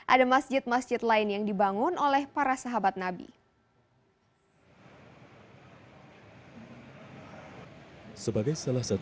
ada masjid masjid lain yang dibangun oleh para sahabat nabi